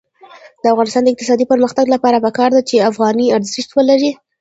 د افغانستان د اقتصادي پرمختګ لپاره پکار ده چې افغانۍ ارزښت ولري.